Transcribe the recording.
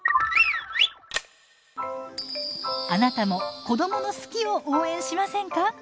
あなたも子どもの「好き」を応援しませんか？